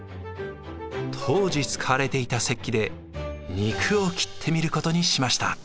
当時使われていた石器で肉を切ってみることにしました。